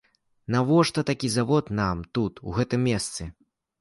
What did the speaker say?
Навошта такі завод нам тут, у гэтым месцы?